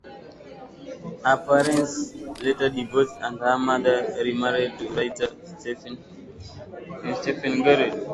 Her parents later divorced and her mother remarried to writer Stephane Groueff.